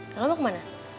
kalau mau kemana